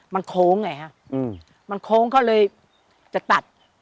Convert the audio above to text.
มันโค้งไงฮะมันโค้งเขาเลยจะตัด